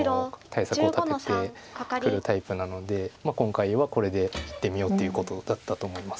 対策を立ててくるタイプなので今回はこれでいってみようっていうことだったと思います。